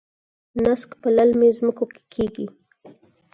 نسک په للمي ځمکو کې کیږي.